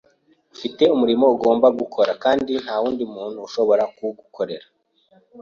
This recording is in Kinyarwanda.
ufite umurimo ugomba gukora kandi nta wundi muntu ushobora kuwugukorera.